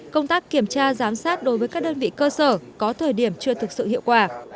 công tác kiểm tra giám sát đối với các đơn vị cơ sở có thời điểm chưa thực sự hiệu quả